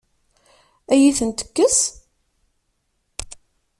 Ad iyi-tent-tekkes?